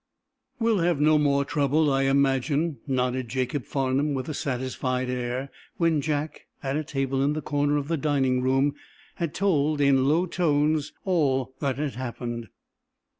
"We'll have no more trouble, I imagine," nodded Jacob Farnum, with a satisfied air, when Jack, at a table in the corner of the dining room, had told, in low tones, all that had happened.